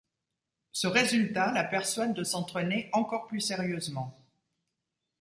Ce résultat la persuade de s’entraîner encore plus sérieusement.